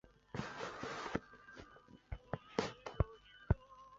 施内贝格山麓普赫贝格是奥地利下奥地利州诺因基兴县的一个市镇。